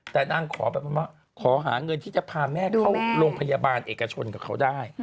แต่นางขอแบบว่าขอหาเงินที่จะพาแม่เข้าโรงพยาบาลเอกชนกับเขาได้